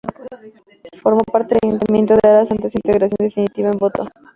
Formó parte del ayuntamiento de Aras antes de su integración definitiva en Voto.